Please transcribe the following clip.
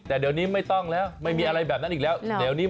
แต่เดี๋ยวนี้ไม่ต้องแล้วไม่มีอะไรแบบนั้นอีกแล้ว